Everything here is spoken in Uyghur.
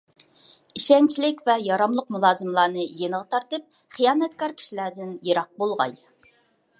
ئىشەنچلىك ۋە ياراملىق مۇلازىملارنى يېنىغا تارتىپ، خىيانەتكار كىشىلەردىن يىراق بولغاي.